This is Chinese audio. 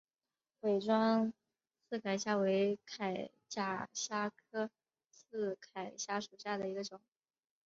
武装刺铠虾为铠甲虾科刺铠虾属下的一个种。